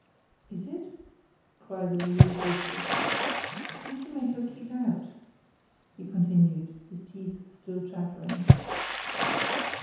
"Is it?" cried the relieved Richard. "Can't you make her keep out?" he continued, his teeth still chattering.